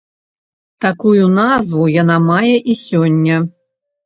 Такую назву яна мае і сёння.